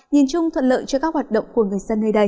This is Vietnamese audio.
nhìn chung thuận lợi cho các hoạt động của người dân nơi đây